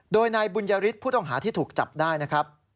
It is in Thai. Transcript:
โดยนายบุญยฤทธิ์ผู้ต้องหาที่ถูกจับได้นะครับ